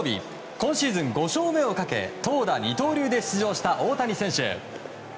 今シーズン５勝目をかけ投打二刀流で出場した大谷選手。